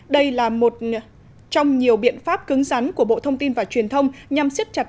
đây là một trong nhiều biện pháp cứng rắn của bộ thông tin và truyền thông nhằm siết chặt